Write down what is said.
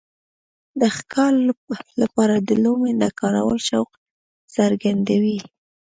د ښکار لپاره د لومې نه کارول شوق څرګندوي.